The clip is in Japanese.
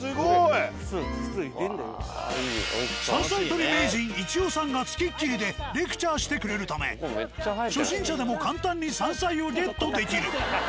山菜採り名人一夫さんが付きっきりでレクチャーしてくれるため初心者でも簡単に山菜をゲットできる。